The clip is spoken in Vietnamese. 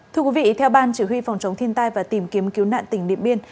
thưa quý vị theo ban chỉ huy phòng chống thiên tai và tìm kiếm cứu nạn tỉnh điện biên